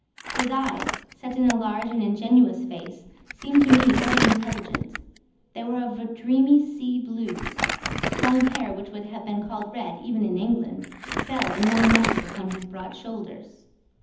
His eyes, set in a large and ingenuous face, seemed to me very intelligent; they were of a dreamy sea blue. Long hair, which would have been called red even in England, fell in long meshes upon his broad shoulders.